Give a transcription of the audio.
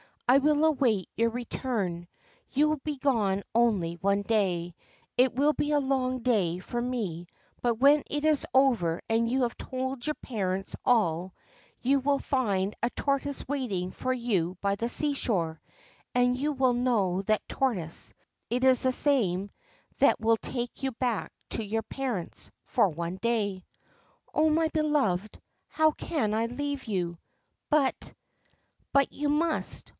I will await your return : you will be gone only one day. It will be a long day for me, but, when it is over, and you have told your parents all, you will find a tortoise waiting for you by the seashore, and you will know that tortoise : it is the same that will take you back to your parents for one day I '' Oh, my beloved I How can I leave you ? But '' But you must.